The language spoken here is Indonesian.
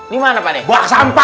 dimana pak nih buang sampah